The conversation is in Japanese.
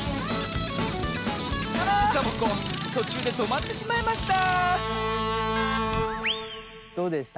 サボ子とちゅうでとまってしまいましたどうでした？